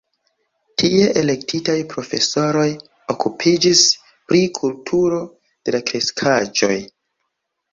Tie elektitaj profesoroj okupiĝis pri kulturo de la kreskaĵoj.